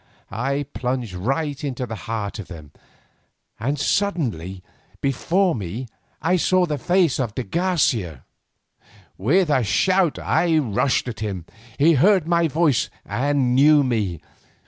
I plunged right into the heart of them, and suddenly before me I saw the face of de Garcia. With a shout I rushed at him. He heard my voice and knew me.